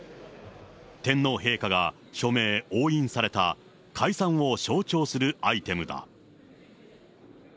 天皇陛下が署名・押印された解散を象徴するアイテムだ。